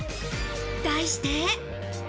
題して。